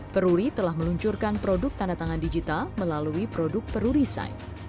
peruri telah meluncurkan produk tanda tangan digital melalui produk peru resign